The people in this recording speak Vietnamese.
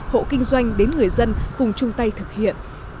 hộ kinh doanh đến người dân cùng chung tay thực hiện